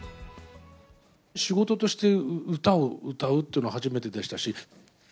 仕事として歌を歌うってのは初めてでしたし。